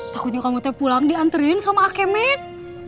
takutnya kamu pulang dianterin sama al kemet